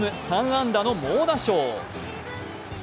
３安打の猛打賞。